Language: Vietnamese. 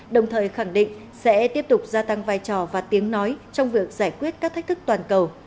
đồng thời khẳng định sẽ tiếp tục gia tăng vai trò và tiếng nói trong việc giải quyết các thách thức toàn cầu